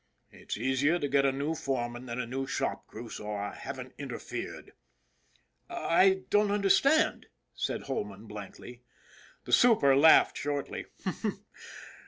It's easier to get a new foreman than a new shop crew, so I haven't in terfered." " I don't understand," said Holman blankly. The super laughed shortly.